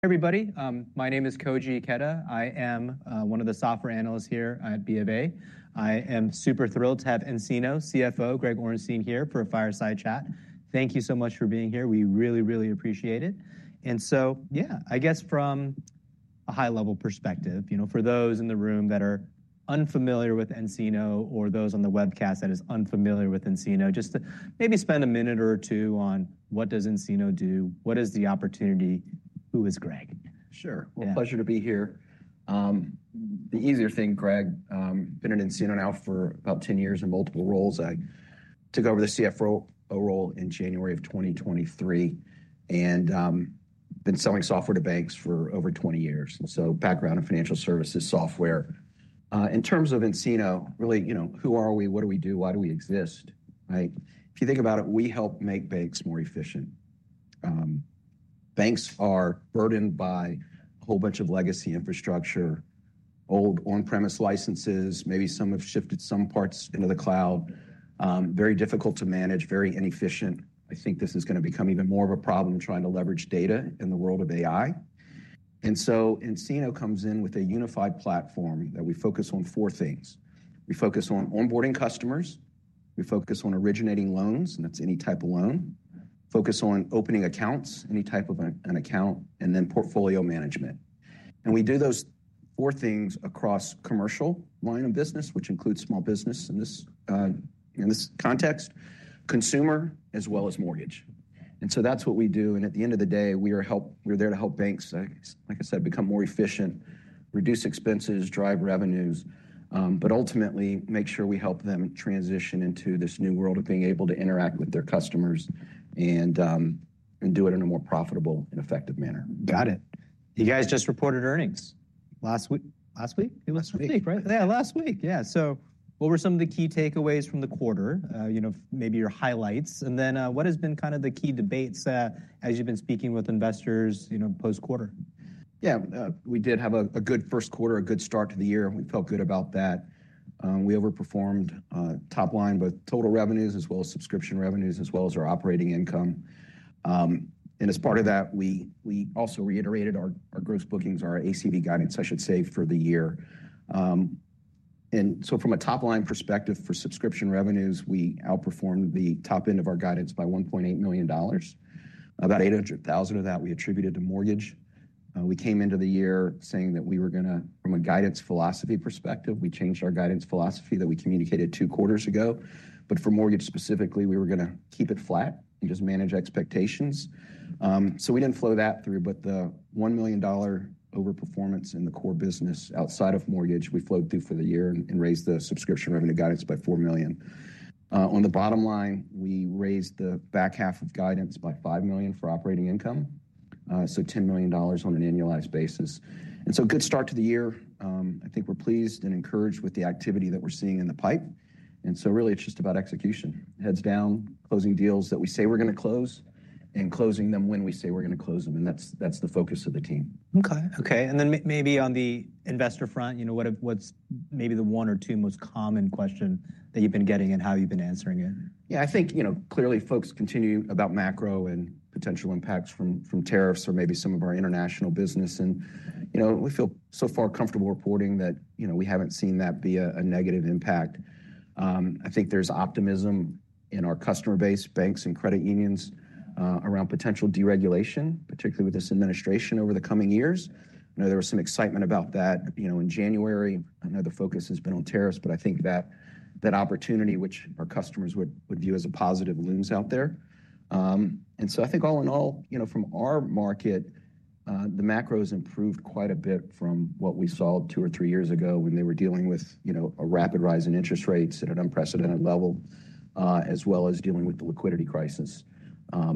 Hey, everybody. My name is Koji Ikeda. I am one of the software analysts here at BofA. I am super thrilled to have nCino, CFO, Greg Orenstein, here for a fireside chat. Thank you so much for being here. We really, really appreciate it. Yeah, I guess from a high-level perspective, you know, for those in the room that are unfamiliar with nCino or those on the webcast that are unfamiliar with nCino, just to maybe spend a minute or two on what does nCino do, what is the opportunity, who is Greg? Sure. Pleasure to be here. The easier thing, Greg, I've been in nCino now for about 10 years in multiple roles. I took over the CFO role in January of 2023 and been selling software to banks for over 20 years. So background in financial services software. In terms of nCino, really, you know, who are we, what do we do, why do we exist, right? If you think about it, we help make banks more efficient. Banks are burdened by a whole bunch of legacy infrastructure, old on-premise licenses, maybe some have shifted some parts into the cloud, very difficult to manage, very inefficient. I think this is going to become even more of a problem in trying to leverage data in the world of AI. nCino comes in with a unified platform that we focus on four things. We focus on onboarding customers, we focus on originating loans, and that is any type of loan, focus on opening accounts, any type of an account, and then portfolio management. We do those four things across the commercial line of business, which includes small business in this context, consumer, as well as mortgage. That is what we do. At the end of the day, we are there to help banks, like I said, become more efficient, reduce expenses, drive revenues, but ultimately make sure we help them transition into this new world of being able to interact with their customers and do it in a more profitable and effective manner. Got it. You guys just reported earnings last week, last week? Last week, right? Yeah, last week. Yeah. What were some of the key takeaways from the quarter, you know, maybe your highlights? And then what has been kind of the key debates as you've been speaking with investors, you know, post-quarter? Yeah, we did have a good first quarter, a good start to the year. We felt good about that. We overperformed top line both total revenues as well as subscription revenues as well as our operating income. As part of that, we also reiterated our gross bookings, our ACV guidance, I should say, for the year. From a top line perspective for subscription revenues, we outperformed the top end of our guidance by $1.8 million, about $800,000 of that we attributed to mortgage. We came into the year saying that we were going to, from a guidance philosophy perspective, we changed our guidance philosophy that we communicated two quarters ago. For mortgage specifically, we were going to keep it flat and just manage expectations. We did not flow that through, but the $1 million overperformance in the core business outside of mortgage, we flowed through for the year and raised the subscription revenue guidance by $4 million. On the bottom line, we raised the back half of guidance by $5 million for operating income, so $10 million on an annualized basis. It is a good start to the year. I think we are pleased and encouraged with the activity that we are seeing in the pipe. It is really just about execution, heads down, closing deals that we say we are going to close and closing them when we say we are going to close them. That is the focus of the team. Okay. Okay. And then maybe on the investor front, you know, what's maybe the one or two most common questions that you've been getting and how you've been answering it? Yeah, I think, you know, clearly folks continue about macro and potential impacts from tariffs or maybe some of our international business. You know, we feel so far comfortable reporting that, you know, we haven't seen that be a negative impact. I think there's optimism in our customer base, banks and credit unions around potential deregulation, particularly with this administration over the coming years. I know there was some excitement about that, you know, in January. I know the focus has been on tariffs, but I think that that opportunity, which our customers would view as a positive, looms out there. I think all in all, you know, from our market, the macro has improved quite a bit from what we saw two or three years ago when they were dealing with, you know, a rapid rise in interest rates at an unprecedented level, as well as dealing with the liquidity crisis. I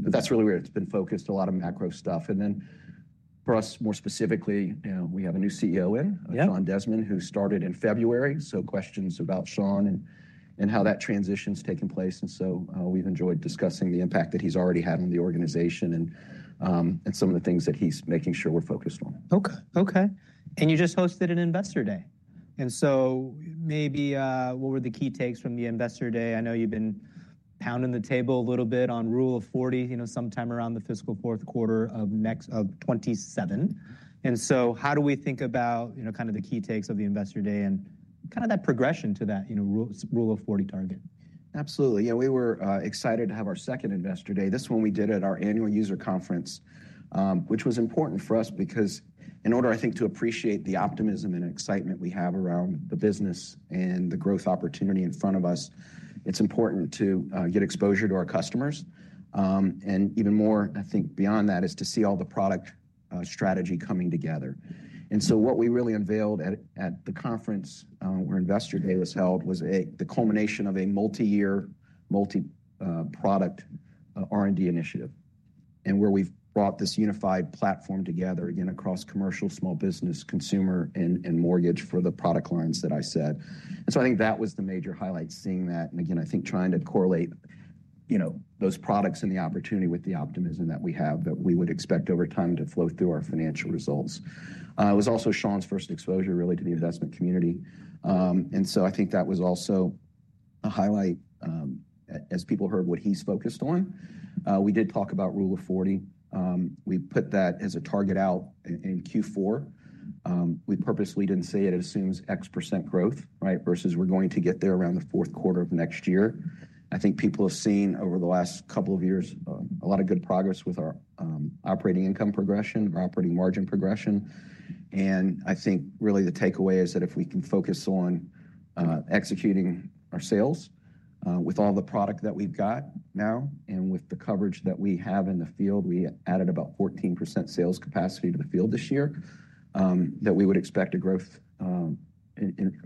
think that's really where it's been focused, a lot of macro stuff. For us, more specifically, you know, we have a new CEO in, Sean Desmond, who started in February. Questions about Sean and how that transition's taken place. We've enjoyed discussing the impact that he's already had on the organization and some of the things that he's making sure we're focused on. Okay. Okay. You just hosted an investor day. Maybe what were the key takes from the Investor Day? I know you've been pounding the table a little bit on Rule of 40, you know, sometime around the fiscal fourth quarter of next of 2027. How do we think about, you know, kind of the key takes of the Investor Day and kind of that progression to that, you know, Rule of 40 target? Absolutely. Yeah, we were excited to have our second Investor Day. This one we did at our annual user conference, which was important for us because in order, I think, to appreciate the optimism and excitement we have around the business and the growth opportunity in front of us, it's important to get exposure to our customers. Even more, I think beyond that, is to see all the product strategy coming together. What we really unveiled at the conference where Investor Day was held was the culmination of a multi-year, multi-product R&D initiative and where we've brought this unified platform together again across commercial, small business, consumer, and mortgage for the product lines that I said. I think that was the major highlight, seeing that. I think trying to correlate, you know, those products and the opportunity with the optimism that we have that we would expect over time to flow through our financial results. It was also Sean's first exposure really to the investment community. I think that was also a highlight as people heard what he's focused on. We did talk about Rule of 40. We put that as a target out in Q4. We purposely did not say it assumes X% growth, right, versus we are going to get there around the fourth quarter of next year. I think people have seen over the last couple of years a lot of good progress with our operating income progression, our operating margin progression. I think really the takeaway is that if we can focus on executing our sales with all the product that we've got now and with the coverage that we have in the field, we added about 14% sales capacity to the field this year that we would expect a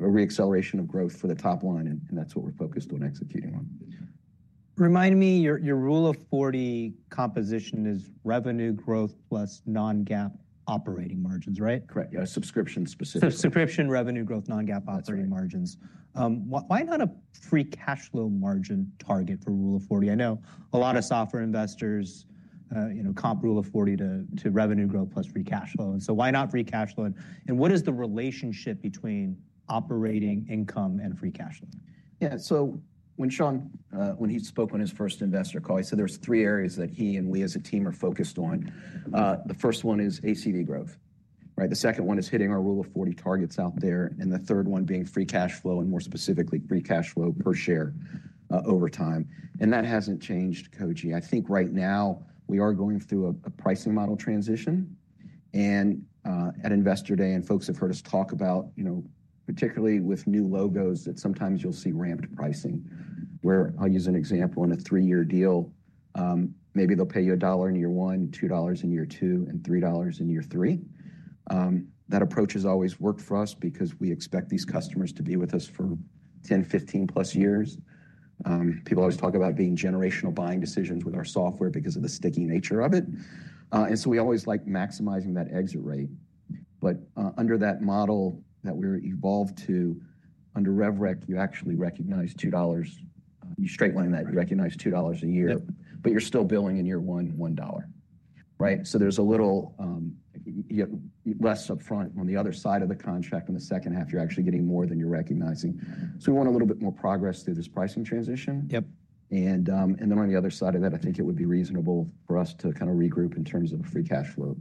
reacceleration of growth for the top line. That's what we're focused on executing on. Remind me, your Rule of 40 composition is revenue growth plus non-GAAP operating margins, right? Correct. Yeah, subscription specifically. Subscription, revenue growth, non-GAAP operating margins. Why not a free cash flow margin target for Rule of 40? I know a lot of software investors, you know, comp Rule of 40 to revenue growth plus free cash flow. Why not free cash flow? What is the relationship between operating income and free cash flow? Yeah, so when Sean, when he spoke on his first investor call, he said there's three areas that he and we as a team are focused on. The first one is ACV growth, right? The second one is hitting our Rule of 40 targets out there. The third one being free cash flow and more specifically free cash flow per share over time. That hasn't changed, Koji. I think right now we are going through a pricing model transition. At Investor Day and folks have heard us talk about, you know, particularly with new logos that sometimes you'll see ramped pricing where I'll use an example in a three-year deal, maybe they'll pay you $1 in year one, $2 in year two, and $3 in year three. That approach has always worked for us because we expect these customers to be with us for 10, 15+ years. People always talk about it being generational buying decisions with our software because of the sticky nature of it. We always like maximizing that exit rate. Under that model that we've evolved to, under RevRec, you actually recognize $2. You straight line that, you recognize $2 a year, but you're still billing in year one, $1, right? There is a little less upfront on the other side of the contract. In the second half, you're actually getting more than you're recognizing. We want a little bit more progress through this pricing transition. Yep. On the other side of that, I think it would be reasonable for us to kind of regroup in terms of a free cash flow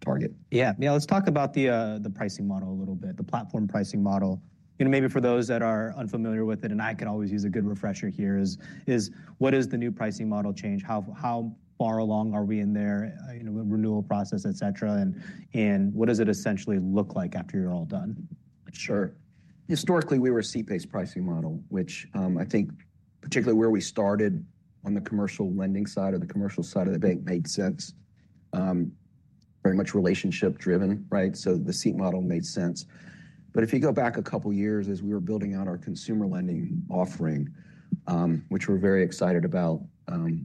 target. Yeah. Yeah, let's talk about the pricing model a little bit, the platform pricing model. You know, maybe for those that are unfamiliar with it, and I can always use a good refresher here, what is the new pricing model change? How far along are we in there, you know, the renewal process, et cetera? What does it essentially look like after you're all done? Sure. Historically, we were a seat-based pricing model, which I think particularly where we started on the commercial lending side or the commercial side of the bank made sense, very much relationship driven, right? The seat model made sense. If you go back a couple of years as we were building out our consumer lending offering, which we're very excited about,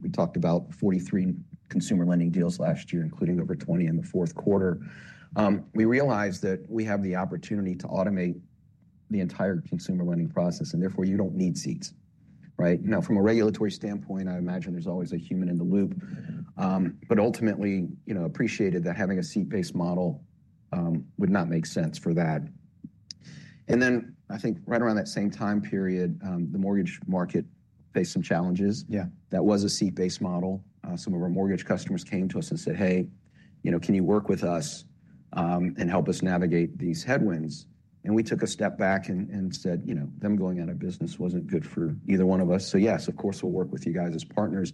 we talked about 43 consumer lending deals last year, including over 20 in the fourth quarter. We realized that we have the opportunity to automate the entire consumer lending process and therefore you do not need seats, right? Now, from a regulatory standpoint, I imagine there is always a human in the loop, but ultimately, you know, appreciated that having a seat-based model would not make sense for that. I think right around that same time period, the mortgage market faced some challenges. Yeah. That was a seat-based model. Some of our mortgage customers came to us and said, "Hey, you know, can you work with us and help us navigate these headwinds?" We took a step back and said, you know, them going out of business was not good for either one of us. Yes, of course, we will work with you guys as partners.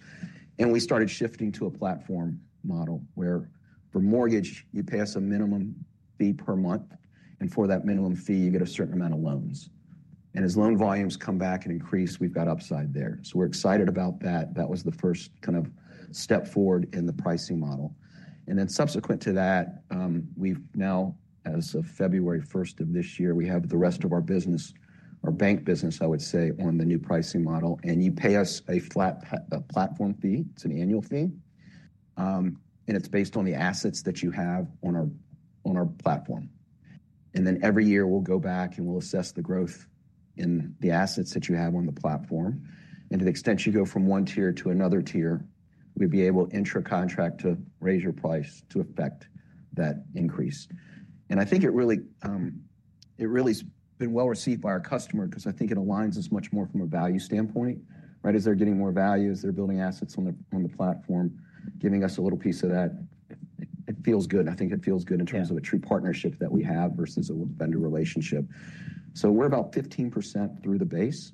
We started shifting to a platform model where for mortgage, you pay us a minimum fee per month. For that minimum fee, you get a certain amount of loans. As loan volumes come back and increase, we have got upside there. We are excited about that. That was the first kind of step forward in the pricing model. Subsequent to that, we've now, as of February 1st of this year, we have the rest of our business, our bank business, I would say, on the new pricing model. You pay us a flat platform fee. It's an annual fee. It's based on the assets that you have on our platform. Every year we'll go back and we'll assess the growth in the assets that you have on the platform. To the extent you go from one tier to another tier, we'd be able intra-contract to raise your price to affect that increase. I think it really has been well received by our customer because I think it aligns us much more from a value standpoint, right? As they're getting more value, as they're building assets on the platform, giving us a little piece of that, it feels good. I think it feels good in terms of a true partnership that we have versus a vendor relationship. We're about 15% through the base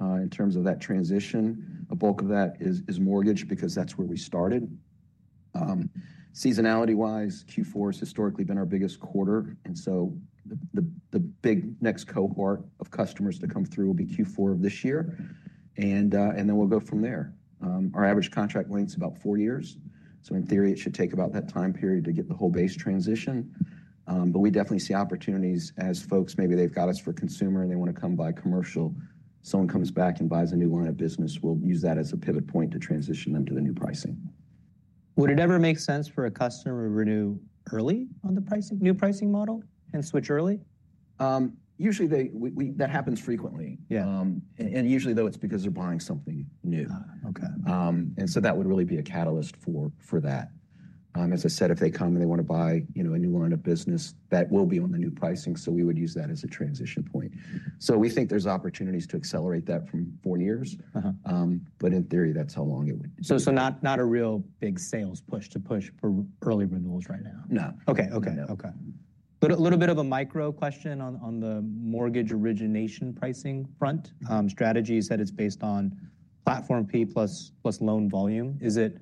in terms of that transition. A bulk of that is mortgage because that's where we started. Seasonality-wise, Q4 has historically been our biggest quarter. The big next cohort of customers to come through will be Q4 of this year. We'll go from there. Our average contract length is about four years. In theory, it should take about that time period to get the whole base transition. We definitely see opportunities as folks, maybe they've got us for consumer and they want to come buy commercial. Someone comes back and buys a new line of business, we'll use that as a pivot point to transition them to the new pricing. Would it ever make sense for a customer to renew early on the new pricing model and switch early? Usually that happens frequently. Yeah. Usually though, it's because they're buying something new. Okay. That would really be a catalyst for that. As I said, if they come and they want to buy, you know, a new line of business, that will be on the new pricing. We would use that as a transition point. We think there are opportunities to accelerate that from four years. In theory, that is how long it would be. Not a real big sales push to push for early renewals right now? No. Okay. Okay. Okay. A little bit of a micro question on the mortgage origination pricing front. Strategy said it's based on platform fee plus loan volume. Is it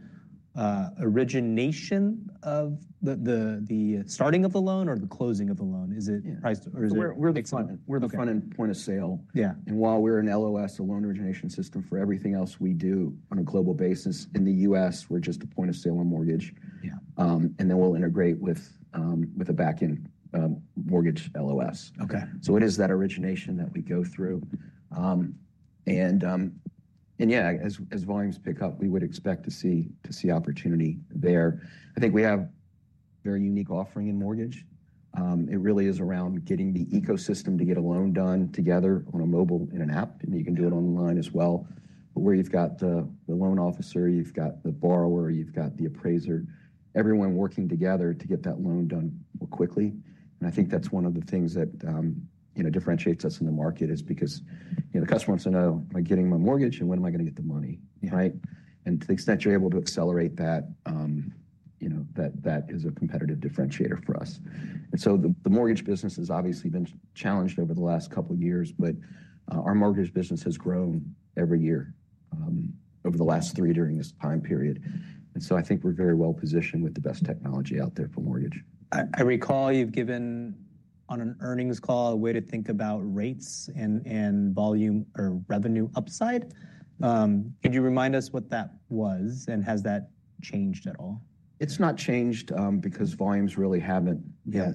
origination of the starting of the loan or the closing of the loan? Is it priced or is it? We're the front end point of sale. Yeah. While we're an LOS, a loan origination system for everything else we do on a global basis in the U.S., we're just a point of sale on mortgage. Yeah. We'll integrate with a backend mortgage LOS. Okay. It is that origination that we go through. And yeah, as volumes pick up, we would expect to see opportunity there. I think we have a very unique offering in mortgage. It really is around getting the ecosystem to get a loan done together on a mobile in an app. And you can do it online as well. But where you've got the loan officer, you've got the borrower, you've got the appraiser, everyone working together to get that loan done more quickly. I think that's one of the things that, you know, differentiates us in the market is because, you know, the customer wants to know, "Am I getting my mortgage and when am I going to get the money?" Right? To the extent you're able to accelerate that, you know, that is a competitive differentiator for us. The mortgage business has obviously been challenged over the last couple of years, but our mortgage business has grown every year over the last three during this time period. I think we're very well positioned with the best technology out there for mortgage. I recall you've given on an earnings call a way to think about rates and volume or revenue upside. Could you remind us what that was and has that changed at all? It's not changed because volumes really haven't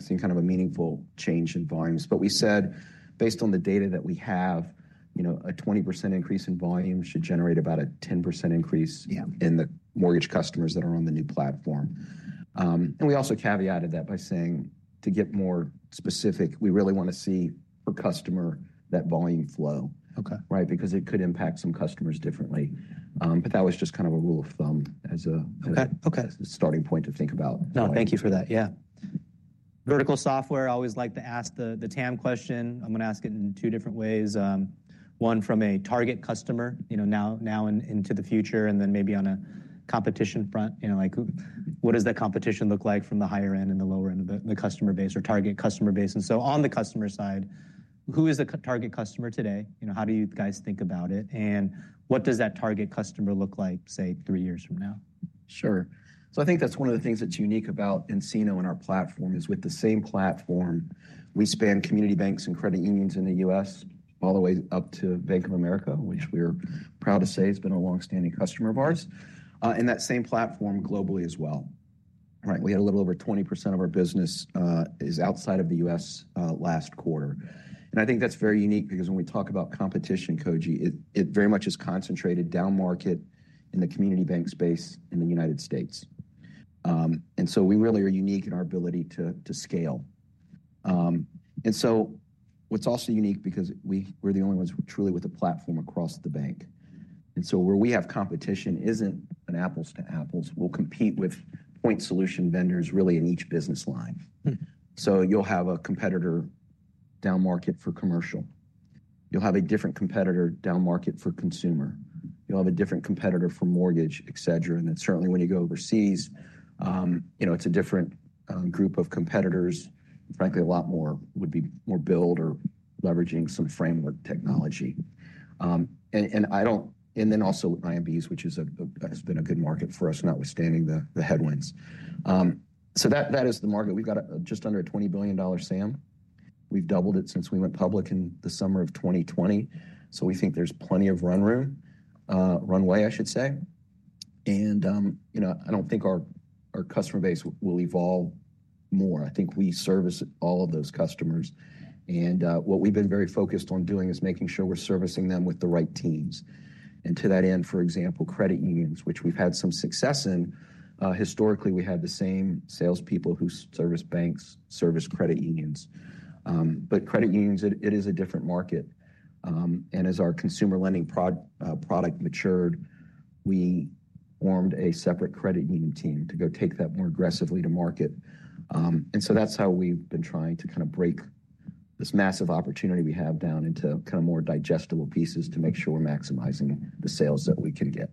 seen kind of a meaningful change in volumes. We said, based on the data that we have, you know, a 20% increase in volume should generate about a 10% increase in the mortgage customers that are on the new platform. We also caveated that by saying, to get more specific, we really want to see per customer that volume flow. Okay. Right? Because it could impact some customers differently. That was just kind of a rule of thumb as a starting point to think about. No, thank you for that. Yeah. Vertical software, I always like to ask the TAM question. I'm going to ask it in two different ways. One from a target customer, you know, now and into the future, and then maybe on a competition front, you know, like, what does that competition look like from the higher end and the lower end of the customer base or target customer base? On the customer side, who is the target customer today? You know, how do you guys think about it? What does that target customer look like, say, three years from now? Sure. I think that's one of the things that's unique about nCino and our platform is with the same platform, we span community banks and credit unions in the U.S. all the way up to Bank of America, which we're proud to say has been a longstanding customer of ours. That same platform globally as well, right? We had a little over 20% of our business is outside of the U.S. last quarter. I think that's very unique because when we talk about competition, Koji, it very much is concentrated down market in the community bank space in the United States. We really are unique in our ability to scale. What's also unique is we're the only ones truly with a platform across the bank. Where we have competition isn't an apples to apples. We'll compete with point solution vendors really in each business line. You have a competitor down market for commercial. You have a different competitor down market for consumer. You have a different competitor for mortgage, et cetera. Certainly when you go overseas, you know, it's a different group of competitors. Frankly, a lot more would be more build or leveraging some framework technology. I don't, and then also IMBs, which has been a good market for us, notwithstanding the headwinds. That is the market. We've got just under a $20 billion SAM. We've doubled it since we went public in the summer of 2020. We think there's plenty of runway, I should say. You know, I don't think our customer base will evolve more. I think we service all of those customers. What we've been very focused on doing is making sure we're servicing them with the right teams. For example, credit unions, which we've had some success in. Historically, we had the same salespeople who service banks service credit unions. Credit unions, it is a different market. As our consumer lending product matured, we formed a separate credit union team to go take that more aggressively to market. That's how we've been trying to kind of break this massive opportunity we have down into kind of more digestible pieces to make sure we're maximizing the sales that we can get.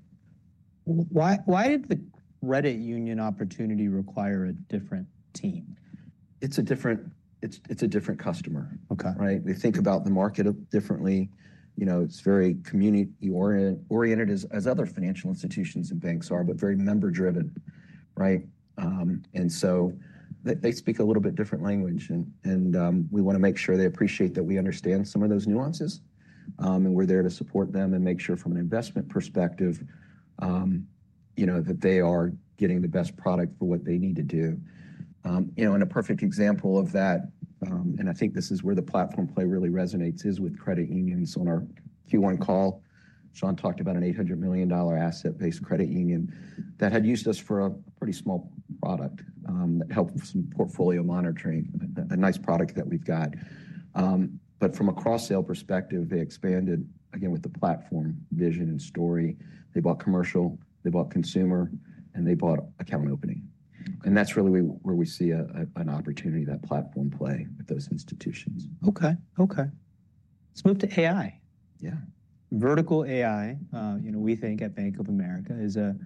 Why did the credit union opportunity require a different team? It's a different customer. Okay. Right? We think about the market differently. You know, it's very community oriented as other financial institutions and banks are, but very member driven, right? And so they speak a little bit different language. We want to make sure they appreciate that we understand some of those nuances. We're there to support them and make sure from an investment perspective, you know, that they are getting the best product for what they need to do. You know, a perfect example of that, and I think this is where the platform play really resonates, is with credit unions on our Q1 call. Sean talked about an $800 million asset-based credit union that had used us for a pretty small product that helped with some portfolio monitoring, a nice product that we've got. From a cross-sale perspective, they expanded, again, with the platform vision and story. They bought commercial, they bought consumer, and they bought account opening. That is really where we see an opportunity, that platform play with those institutions. Okay. Okay. Let's move to AI. Yeah. Vertical AI, you know, we think at Bank of America is a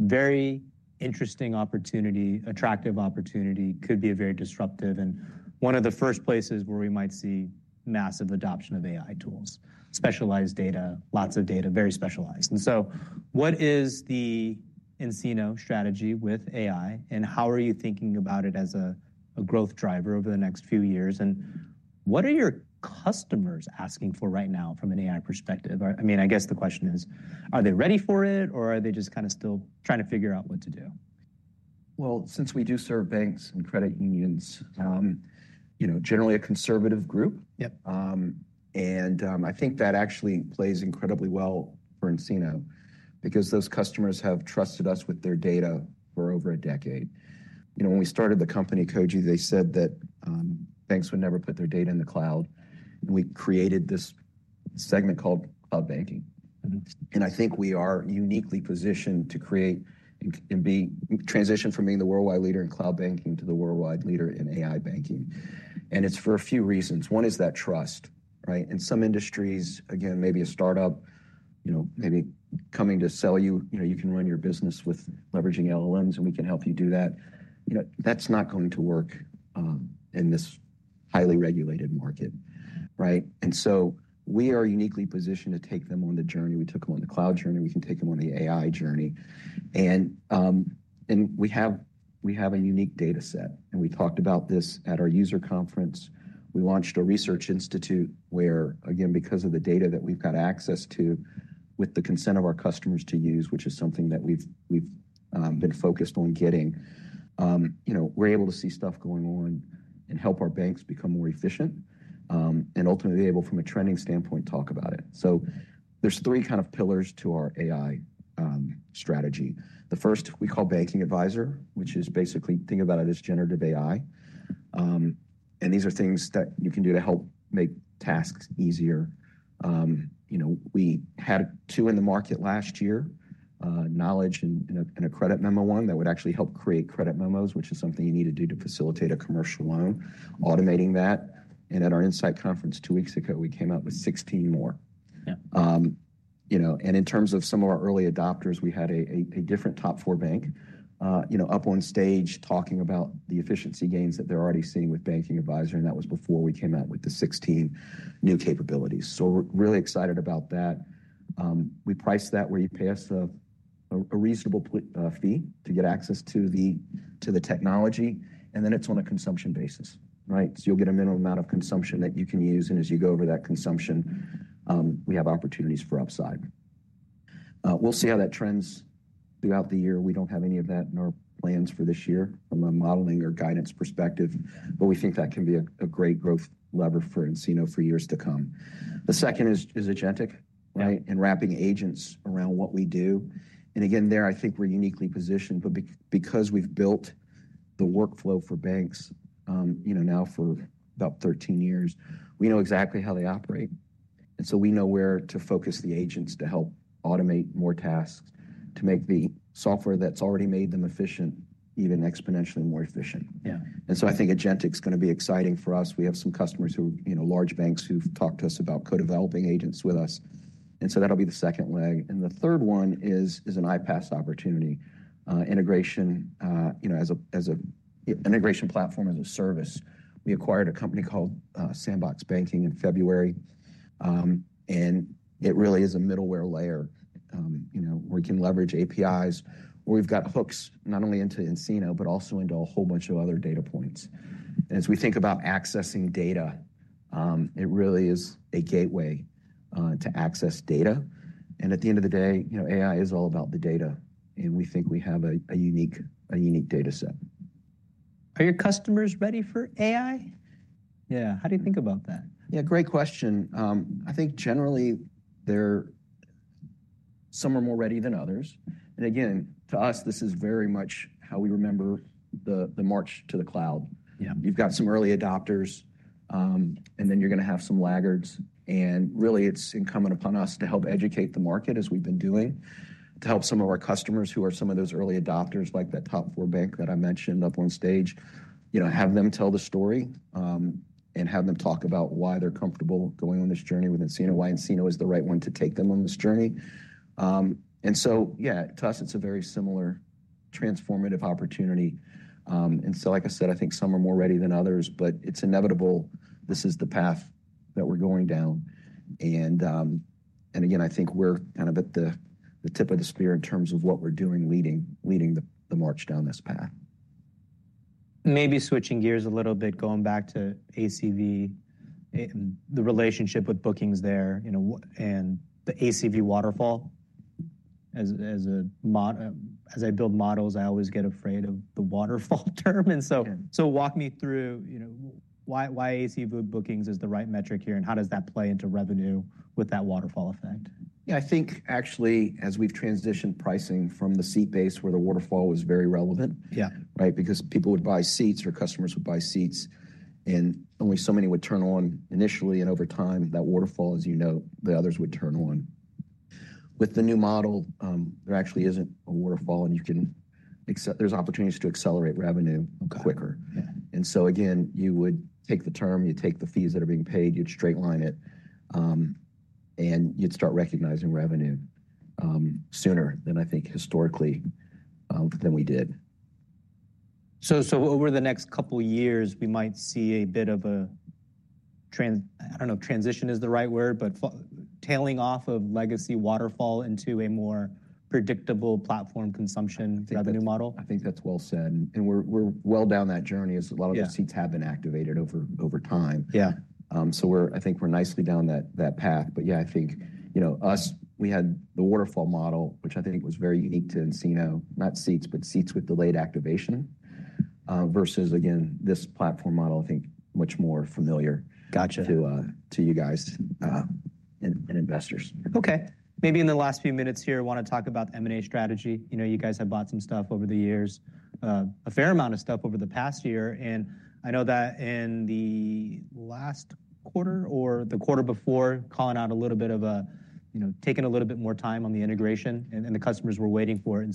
very interesting opportunity, attractive opportunity, could be a very disruptive and one of the first places where we might see massive adoption of AI tools, specialized data, lots of data, very specialized. What is the nCino strategy with AI and how are you thinking about it as a growth driver over the next few years? What are your customers asking for right now from an AI perspective? I mean, I guess the question is, are they ready for it or are they just kind of still trying to figure out what to do? Since we do serve banks and credit unions, you know, generally a conservative group. Yep. I think that actually plays incredibly well for nCino because those customers have trusted us with their data for over a decade. You know, when we started the company, Koji, they said that banks would never put their data in the cloud. We created this segment called cloud banking. I think we are uniquely positioned to create and be transitioned from being the worldwide leader in cloud banking to the worldwide leader in AI banking. It is for a few reasons. One is that trust, right? In some industries, again, maybe a startup, you know, maybe coming to sell you, you know, you can run your business with leveraging LLMs and we can help you do that. You know, that is not going to work in this highly regulated market, right? We are uniquely positioned to take them on the journey. We took them on the cloud journey. We can take them on the AI journey. We have a unique data set. We talked about this at our user conference. We launched a research institute where, again, because of the data that we've got access to with the consent of our customers to use, which is something that we've been focused on getting, you know, we're able to see stuff going on and help our banks become more efficient and ultimately be able from a trending standpoint, talk about it. There are three kind of pillars to our AI strategy. The first we call Banking Advisor, which is basically, think about it as generative AI. These are things that you can do to help make tasks easier. You know, we had two in the market last year, knowledge and a credit memo one that would actually help create credit memos, which is something you need to do to facilitate a commercial loan, automating that. At our Insight conference two weeks ago, we came out with 16 more. Yeah. You know, and in terms of some of our early adopters, we had a different top four bank, you know, up on stage talking about the efficiency gains that they're already seeing with Banking Advisor. And that was before we came out with the 16 new capabilities. So we're really excited about that. We priced that where you pay us a reasonable fee to get access to the technology. And then it's on a consumption basis, right? So you'll get a minimum amount of consumption that you can use. And as you go over that consumption, we have opportunities for upside. We'll see how that trends throughout the year. We don't have any of that in our plans for this year from a modeling or guidance perspective. But we think that can be a great growth lever for nCino for years to come. The second is agentic, right? Wrapping agents around what we do, I think we're uniquely positioned. Because we've built the workflow for banks, you know, now for about 13 years, we know exactly how they operate. We know where to focus the agents to help automate more tasks, to make the software that's already made them efficient, even exponentially more efficient. Yeah. I think agentic is going to be exciting for us. We have some customers who, you know, large banks who've talked to us about co-developing agents with us. That'll be the second leg. The third one is an iPaas opportunity. Integration, you know, as an integration platform as a service. We acquired a company called Sandbox Banking in February. It really is a middleware layer, you know, where we can leverage APIs, where we've got hooks not only into nCino, but also into a whole bunch of other data points. As we think about accessing data, it really is a gateway to access data. At the end of the day, you know, AI is all about the data. We think we have a unique data set. Are your customers ready for AI? Yeah. How do you think about that? Yeah, great question. I think generally they're, some are more ready than others. Again, to us, this is very much how we remember the March to the cloud. Yeah. You've got some early adopters, and then you're going to have some laggards. It is really incumbent upon us to help educate the market, as we've been doing, to help some of our customers who are some of those early adopters, like that top four bank that I mentioned up on stage, you know, have them tell the story and have them talk about why they're comfortable going on this journey with nCino, why nCino is the right one to take them on this journey. To us, it's a very similar transformative opportunity. Like I said, I think some are more ready than others, but it's inevitable. This is the path that we're going down. Again, I think we're kind of at the tip of the spear in terms of what we're doing leading the march down this path. Maybe switching gears a little bit, going back to ACV, the relationship with bookings there, you know, and the ACV waterfall. As a model, as I build models, I always get afraid of the waterfall term. Walk me through, you know, why ACV bookings is the right metric here and how does that play into revenue with that waterfall effect? Yeah, I think actually, as we've transitioned pricing from the seat base where the waterfall was very relevant. Yeah. Right? Because people would buy seats or customers would buy seats. Only so many would turn on initially. Over time, that waterfall, as you know, the others would turn on. With the new model, there actually is not a waterfall. You can accept, there are opportunities to accelerate revenue quicker. Okay. You would take the term, you take the fees that are being paid, you'd straight line it, and you'd start recognizing revenue sooner than I think historically than we did. Over the next couple of years, we might see a bit of a, I don't know if transition is the right word, but tailing off of legacy waterfall into a more predictable platform consumption revenue model? I think that's well said. We're well down that journey as a lot of the seats have been activated over time. Yeah. I think we're nicely down that path. Yeah, I think, you know, us, we had the waterfall model, which I think was very unique to nCino, not seats, but seats with delayed activation versus, again, this platform model, I think much more familiar. Gotcha. To you guys and investors. Okay. Maybe in the last few minutes here, I want to talk about the M&A strategy. You know, you guys have bought some stuff over the years, a fair amount of stuff over the past year. I know that in the last quarter or the quarter before, calling out a little bit of a, you know, taking a little bit more time on the integration. The customers were waiting for it.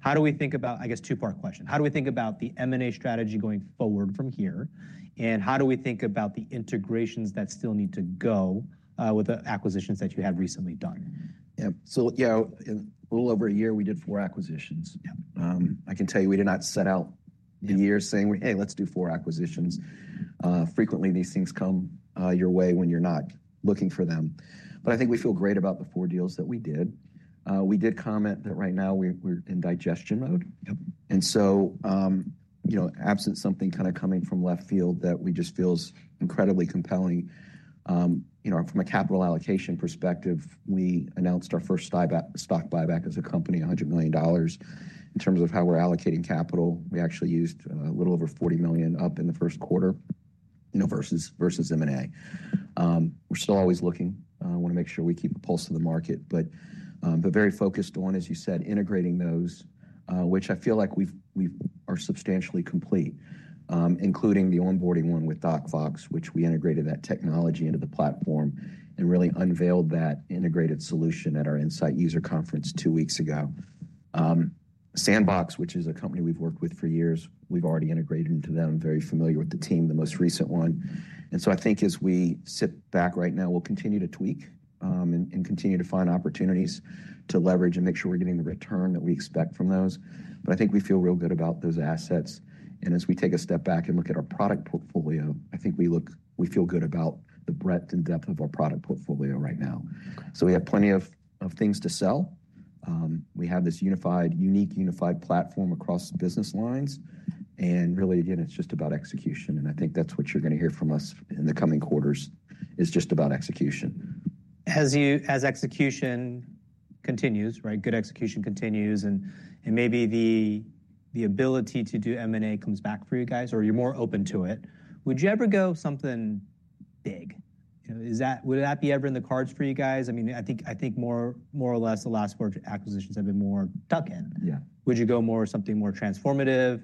How do we think about, I guess, two-part question. How do we think about the M&A strategy going forward from here? How do we think about the integrations that still need to go with the acquisitions that you have recently done? Yeah. So yeah, a little over a year, we did four acquisitions. Yeah. I can tell you we did not set out the year saying, "Hey, let's do four acquisitions." Frequently, these things come your way when you're not looking for them. I think we feel great about the four deals that we did. We did comment that right now we're in digestion mode. Yep. You know, absent something kind of coming from left field that we just feel is incredibly compelling. You know, from a capital allocation perspective, we announced our first stock buyback as a company, $100 million in terms of how we're allocating capital. We actually used a little over $40 million up in the first quarter, you know, versus M&A. We're still always looking. I want to make sure we keep a pulse of the market. Very focused on, as you said, integrating those, which I feel like we are substantially complete, including the onboarding one with Doc Fox, which we integrated that technology into the platform and really unveiled that integrated solution at our Insight user conference two weeks ago. Sandbox, which is a company we've worked with for years, we've already integrated into them, very familiar with the team, the most recent one. I think as we sit back right now, we'll continue to tweak and continue to find opportunities to leverage and make sure we're getting the return that we expect from those. I think we feel real good about those assets. As we take a step back and look at our product portfolio, I think we feel good about the breadth and depth of our product portfolio right now. We have plenty of things to sell. We have this unique unified platform across business lines. Really, again, it's just about execution. I think that's what you're going to hear from us in the coming quarters is just about execution. As execution continues, right? Good execution continues. Maybe the ability to do M&A comes back for you guys or you're more open to it. Would you ever go something big? You know, would that be ever in the cards for you guys? I mean, I think more or less the last four acquisitions have been more tuck-in. Yeah. Would you go more something more transformative,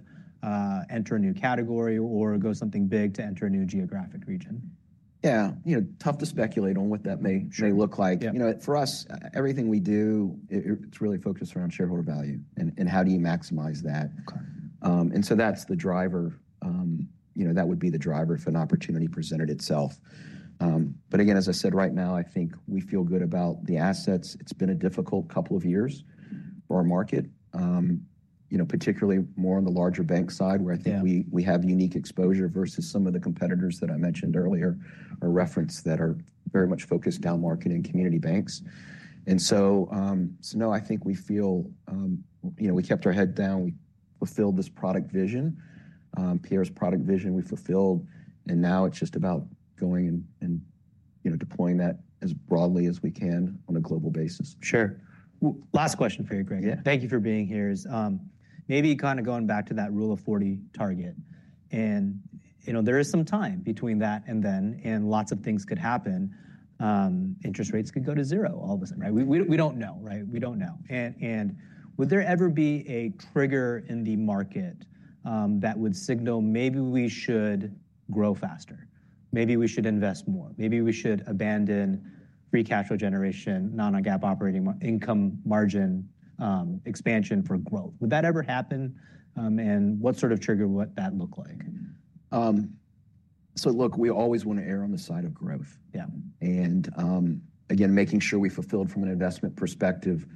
enter a new category, or go something big to enter a new geographic region? Yeah. You know, tough to speculate on what that may look like. Sure. You know, for us, everything we do, it's really focused around shareholder value and how do you maximize that. Okay. That is the driver, you know, that would be the driver if an opportunity presented itself. Again, as I said, right now, I think we feel good about the assets. It has been a difficult couple of years for our market, you know, particularly more on the larger bank side where I think we have unique exposure versus some of the competitors that I mentioned earlier, or referenced, that are very much focused down market in community banks. No, I think we feel, you know, we kept our head down. We fulfilled this product vision, Pierre's product vision we fulfilled. Now it is just about going and, you know, deploying that as broadly as we can on a global basis. Sure. Last question for you, Greg. Yeah. Thank you for being here. Maybe kind of going back to that Rule of 40 target. You know, there is some time between that and then, and lots of things could happen. Interest rates could go to zero all of a sudden, right? We do not know, right? We do not know. Would there ever be a trigger in the market that would signal maybe we should grow faster, maybe we should invest more, maybe we should abandon free cash flow generation, non-GAAP operating income margin expansion for growth? Would that ever happen? What sort of trigger would that look like? Look, we always want to err on the side of growth. Yeah. Again, making sure we fulfilled from an investment perspective,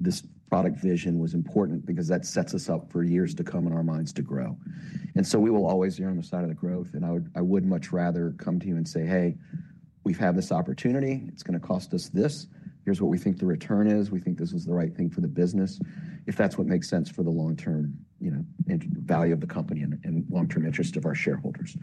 this product vision was important because that sets us up for years to come in our minds to grow. We will always err on the side of the growth. I would much rather come to you and say, "Hey, we've had this opportunity. It's going to cost us this. Here's what we think the return is. We think this is the right thing for the business," if that's what makes sense for the long-term, you know, value of the company and long-term interest of our shareholders.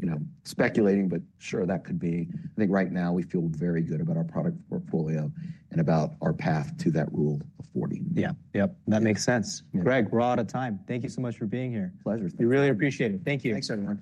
You know, speculating, but sure, that could be. I think right now we feel very good about our product portfolio and about our path to that Rule of 40. Yeah. Yep. That makes sense. Greg, we're out of time. Thank you so much for being here. Pleasure. We really appreciate it. Thank you. Thanks, everyone.